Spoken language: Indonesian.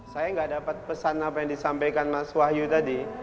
saya nggak dapat pesan apa yang disampaikan mas wahyu tadi